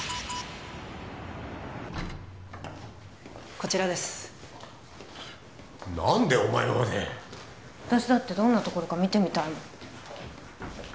こちらです何でお前まで私だってどんな所か見てみたいもん